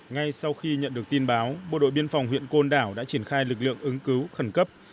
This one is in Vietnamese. ngay sau khi nhận được tin báo bộ đội biên phòng huyện côn đảo đã triển khai lực lượng ứng cứu khẩn cấp